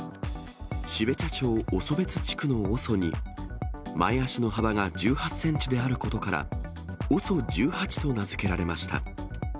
標茶町オソベツ地区のオソに、前足の幅が１８センチであることから、ＯＳＯ１８と名付けられました。